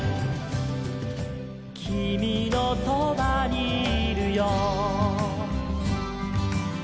「きみのそばにいるよ」